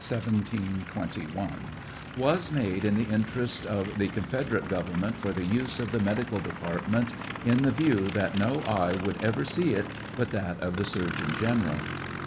1721,) was made in the interest of the confederate government for the use of the medical depart ment, in the view that no eye would ever see it but that of the surgeon general.